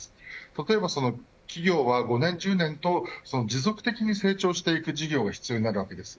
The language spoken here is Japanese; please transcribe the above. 例えば、企業は５年１０年と持続的に成長していく事業が必要になるわけです。